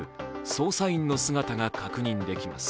捜査員の姿が確認できます。